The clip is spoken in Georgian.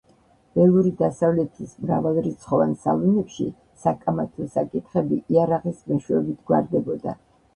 ველური დასავლეთის მრავალრიცხოვან სალონებში საკამათო საკითხები იარაღის მეშვეობით გვარდებოდა.